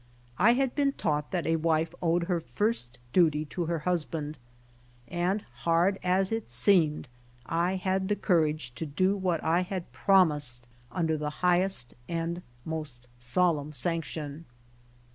I had been taught that a wife owed her first duty to her husband, and hard as it seemed I had the courage to do what I had promised under the highest and most solemn sanction.